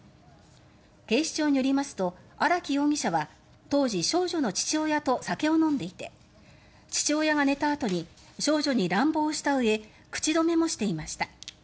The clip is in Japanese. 警視庁によりますと荒木容疑者は当時、少女の父親と酒を飲んでいて父親が寝たあとに少女に乱暴したうえ口止めもしていました。